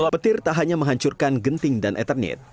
petir tak hanya menghancurkan genting dan eternit